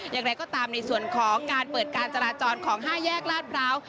อย่างไรก็ตามในส่วนของการเปิดการจราจรของ๕แยกลาดพร้าว